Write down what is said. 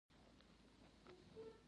هګۍ د اضطراب ضد ده.